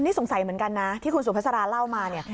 นี่สงสัยเหมือนกันนะที่คุณสุภาษาเล่ามาเนี่ย